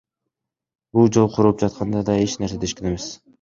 Бул жол курулуп жатканда да эч нерсе дешкен эмес.